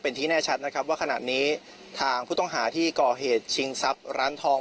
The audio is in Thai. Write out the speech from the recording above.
เป็นที่แน่ชัดนะครับว่าขณะนี้ทางผู้ต้องหาที่ก่อเหตุชิงทรัพย์ร้านทอง